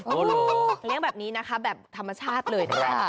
เลี้ยงแบบนี้นะคะแบบธรรมชาติเลยค่ะ